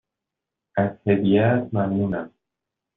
از هدیهات ممنونم.